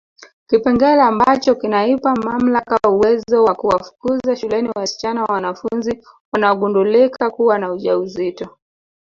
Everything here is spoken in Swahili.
Kipengele ambacho kinaipa mamlaka uwezo wa kuwafukuza shuleni wasichana wanafunzi wanaogundulika kuwa na ujauzito